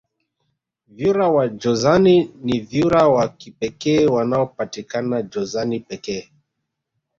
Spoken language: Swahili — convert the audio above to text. vyura wa jozani ni vyura wa kipekee wanaopatikana jozani pekee